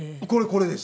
これです。